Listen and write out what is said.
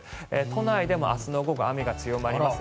都内でも明日の午後雨が強まります。